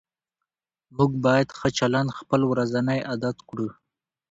موږ باید ښه چلند خپل ورځنی عادت کړو